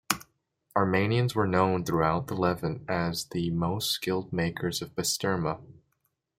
Armenians were known throughout the Levant as the most skilled makers of basturma.